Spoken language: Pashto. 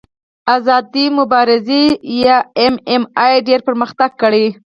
آزادې مبارزې یا ایم ایم اې ډېر پرمختګ کړی.